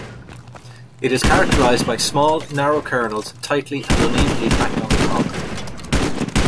It is characterized by small, narrow kernels tightly and unevenly packed on the cob.